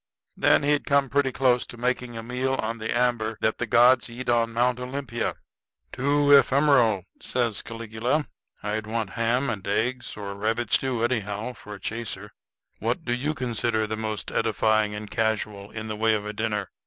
Then he'd come pretty close to making a meal on the amber that the gods eat on Mount Olympia." "Too ephemeral," says Caligula. "I'd want ham and eggs, or rabbit stew, anyhow, for a chaser. What do you consider the most edifying and casual in the way of a dinner?"